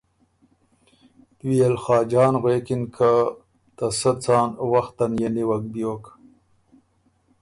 بيې ل خاجان غوېکِن که ته سۀ څان وخت ان يې نیوک بیوک